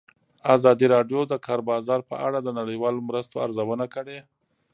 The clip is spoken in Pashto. ازادي راډیو د د کار بازار په اړه د نړیوالو مرستو ارزونه کړې.